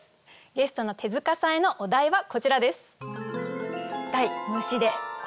ゲストの手塚さんへのお題はこちらです。